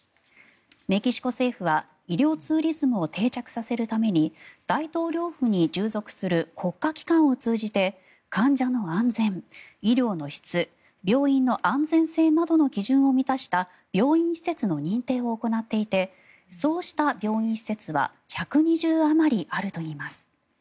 メキシコ政府は医療ツーリズムを定着させるために大統領府に従属する国家機関を通じて患者の安全、医療の質病院の安全性などの基準を満たした病院施設の認定を行っていてそうした病院施設は１２０あまりあるといいます。